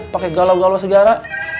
pake galau galau segara